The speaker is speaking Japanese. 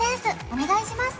お願いします